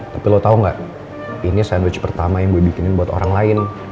tapi lo tau gak ini sandwich pertama yang gue bikinin buat orang lain